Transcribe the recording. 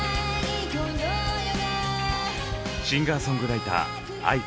シンガーソングライターａｉｋｏ。